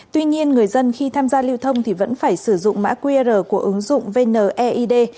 tuy nhiên người dân khi tham gia lưu thông thì vẫn phải sử dụng mã qr của ứng dụng vneid